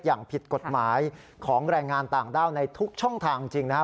อย่างผิดกฎหมายของแรงงานต่างด้าวในทุกช่องทางจริงนะครับ